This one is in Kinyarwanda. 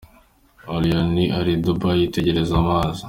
Allioni ari i Dubai yitegereza amazi.